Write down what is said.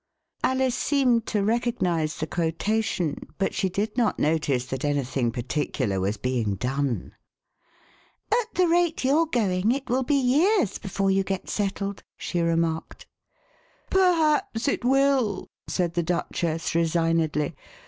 Alice seemed to recognise the quotation, but she did not notice that anything particular was being done. At the rate you're going, it will be years before you get settled," she remarked. Perhaps it will," said the Duchess resignedly.